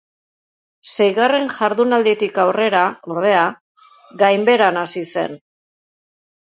Seigarren jardunalditik aurrera, ordea, gainbeheran hasi zen.